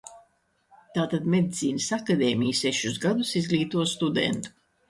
Tātad Medicīnas akadēmija sešus gadus izglīto studentu.